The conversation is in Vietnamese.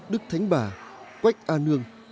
đức thánh bà quách a nương